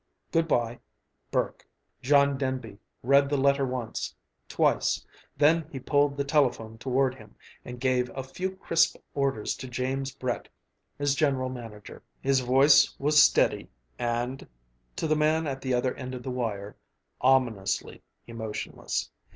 Good bye, BURKE. John Denby read the letter once, twice; then he pulled the telephone toward him and gave a few crisp orders to James Brett, his general manager. His voice was steady and to the man at the other end of the wire ominously emotionless.